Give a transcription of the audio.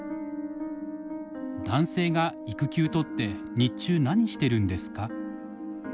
「男性が育休とって日中何してるんですか？」。